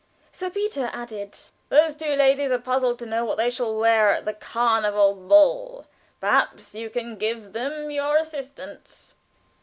Sir Peter added: "Those two ladies are puzzled to know what they shall wear at the Carnival Ball. Perhaps you can give them your assistance."